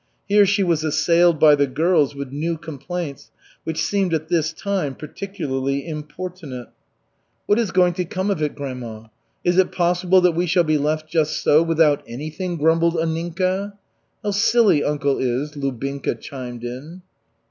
Here she was assailed by the girls with new complaints which seemed at this time particularly importunate. "What is going to come of it, grandma? Is it possible that we shall be left just so, without anything?" grumbled Anninka. "How silly uncle is," Lubinka chimed in.